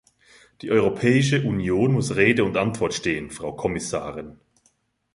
Die Europäische Union muss Rede und Antwort stehen, Frau Kommissarin.